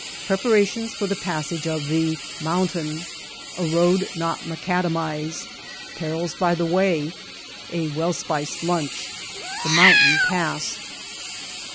— Preparations for tbe Passage of '* the Monntain.'' A Road not Macad amized.—Perils by the Way.— A well ^iced Lnnch.— The Moontain passed.